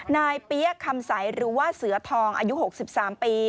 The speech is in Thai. นายเปี้ยคำสัยหรือว่าเสือทองอายุหกสิบสามปี